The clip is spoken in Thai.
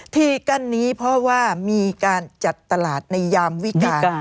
ที่กั้นนี้เพราะว่ามีการจัดตลาดในยามวิการ